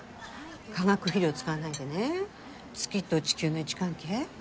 化学肥料使わないでね月と地球の位置関係？